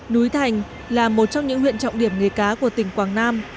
núi thành là một trong những huyện trọng điểm nghề cá của tỉnh quảng nam